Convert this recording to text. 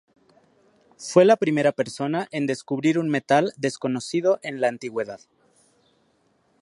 Fue la primera persona en descubrir un metal desconocido en la antigüedad.